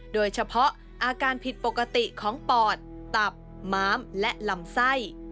โดยเฉพาะอาการผิดปกติของปอดตับม้ามและลำไส้